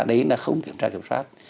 đấy là không kiểm tra kiểm soát